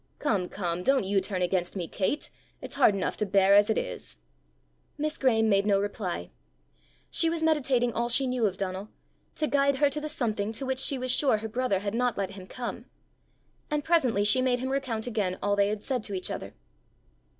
"Come, come! don't you turn against me, Kate! It's hard enough to bear as it is!" Miss Graeme made no reply. She was meditating all she knew of Donal, to guide her to the something to which she was sure her brother had not let him come; and presently she made him recount again all they had said to each other.